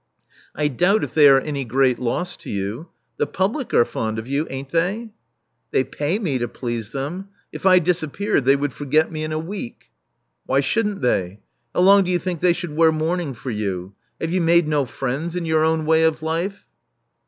I doubt if they are any great Igss to yoxL The public are fond of you, ain't they?" They pay me to please them. If I disappeared, they would forget me in a week." Why shouldn't they? How long do ypu think they should wear mourning for you? Have you made no friends in your own way of life?"